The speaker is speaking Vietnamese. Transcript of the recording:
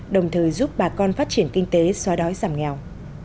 đồng thời giúp bà con phát triển kinh tế xóa đói giảm nghèo